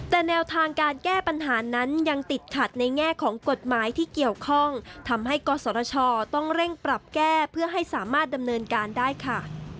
แต่แนวทางการแก้ปัญหานั้นยังติดขัดในแง่ของกฎหมายที่เกี่ยวข้องทำให้กศชต้องเร่งปรับแก้เพื่อให้สามารถดำเนินการได้ค่ะ